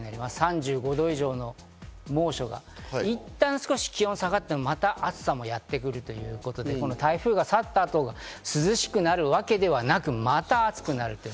３５度以上の猛暑がいったん少し気温が下がってもまた暑さもやってくるということで台風が去った後、涼しくなるわけではなく、また暑くなる。